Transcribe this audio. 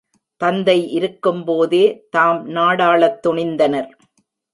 தந்தை இருக்கும்போதே, தாம் நாடாளத் துணிந்தனர்.